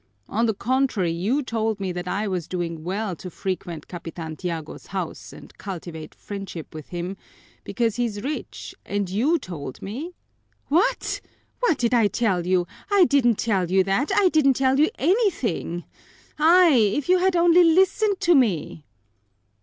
"On the contrary, you told me that I was doing well to frequent Capitan Tiago's house and cultivate friendship with him, because he's rich and you told me " "What! What did I tell you? I didn't tell you that, I didn't tell you anything! Ay, if you had only listened to me!"